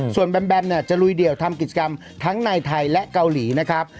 ส่วนแบมแบมเนี่ยจะลุยเดี่ยวทำกิจกรรมทั้งในไทยและเกาหลีนะครับ